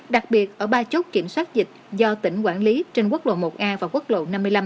đặc biệt ở ba chốt kiểm soát dịch do tỉnh quản lý trên quốc lộ một a và quốc lộ năm mươi năm